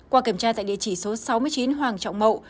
qua kiểm tra tại địa chỉ số sáu mươi chín hoàng trọng mậu